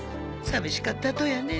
寂しかったとやね。